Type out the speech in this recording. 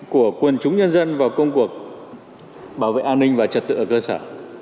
của quần chúng nhân dân vào công cuộc bảo vệ an ninh và trật tự ở cơ sở